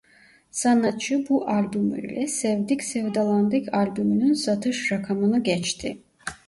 Sanatçı bu albümüyle Sevdik Sevdalandık albümünün satış rakamını geçti.